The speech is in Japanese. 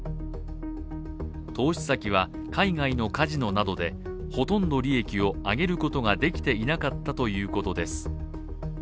投資先は海外のカジノなどでほとんど利益を上げることができていなかったということです。